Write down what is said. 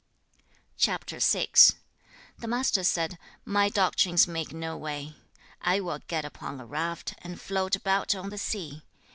CHAP. VI. The Master said, 'My doctrines make no way. I will get upon a raft, and float about on the sea.